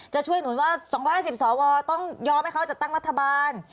จะช่วยหนุนว่า๒๕๐สวต้องยอมให้เขาจัดตั้งรัฐบาล